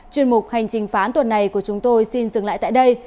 chuyên mục hành trình phán tuần này của chúng tôi xin dừng lại tại đây